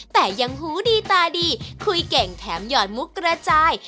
แต่ยังหูดีตาดีคุยเก่งแถมหยอดมุกกระจาย